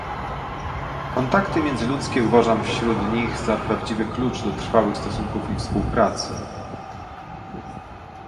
Kontakty międzyludzkie uważam wśród nich za prawdziwy klucz do trwałych stosunków i współpracy